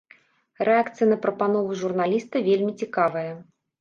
Рэакцыя на прапанову журналіста вельмі цікавая.